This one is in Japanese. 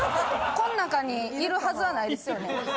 こんなかにいるはずはないですよね？